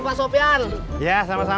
udah yang luar biasa